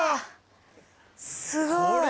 すごい！